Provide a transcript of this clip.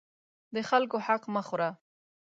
د خلکو حق مه خوره.